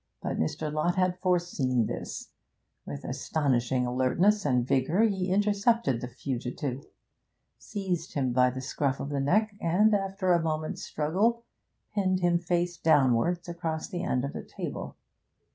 But Mr. Lott had foreseen this; with astonishing alertness and vigour he intercepted the fugitive seized him by the scruff of the neck, and, after a moment's struggle, pinned him face downwards across the end of the table.